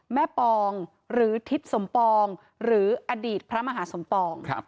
ปองหรือทิศสมปองหรืออดีตพระมหาสมปอง